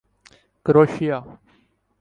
کروشیا